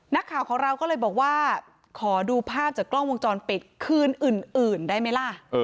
นักข่าวของเราก็เลยบอกว่าขอดูภาพจากกล้องวงจรปิดคืนอื่นได้ไหมล่ะ